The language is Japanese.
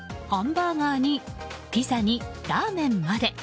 ハンバーガーにピザにラーメンまで。